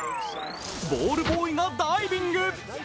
ボールボーイがダイビング。